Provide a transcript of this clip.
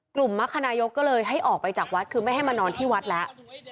มรรคนายกก็เลยให้ออกไปจากวัดคือไม่ให้มานอนที่วัดแล้ว